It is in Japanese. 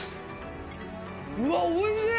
うわー、おいしい。